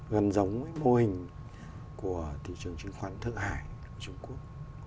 gần giống với mô hình của thị trường chứng khoán thượng hải của trung quốc